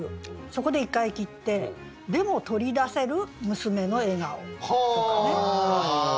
そこで一回切って「でも取り出せる娘の笑顔」とかね。